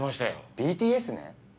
ＢＴＳね。